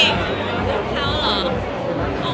เหลือเขาเหรอ